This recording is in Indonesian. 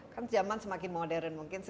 kan zaman semakin modern mungkin